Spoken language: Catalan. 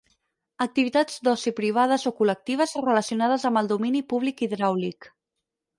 Activitats d'oci privades o col·lectives relacionades amb el domini públic hidràulic.